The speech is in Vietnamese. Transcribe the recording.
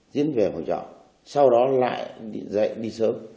diễn về phòng trọ sau đó lại dậy đi sớm